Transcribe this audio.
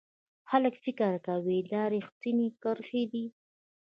خلک فکر کوي دا ریښتینې کرښې دي.